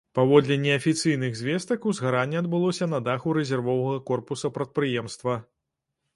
Паводле неафіцыйных звестак, узгаранне адбылося на даху рэзервовага корпуса прадпрыемства.